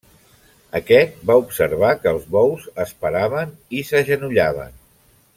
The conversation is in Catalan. Aquest va observar que els bous es paraven i s'agenollaven.